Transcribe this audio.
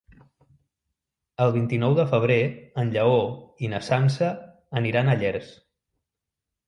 El vint-i-nou de febrer en Lleó i na Sança aniran a Llers.